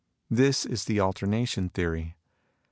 This is the Alter nation Theory.'